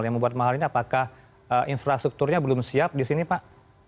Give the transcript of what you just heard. yang membuat mahal ini apakah infrastrukturnya belum siap di sini pak